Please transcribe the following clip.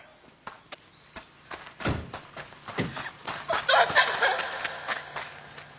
お父ちゃん！